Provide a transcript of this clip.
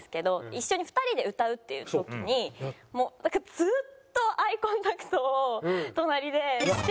一緒に２人で歌うっていう時にもうずっとアイコンタクトを隣でしてきて。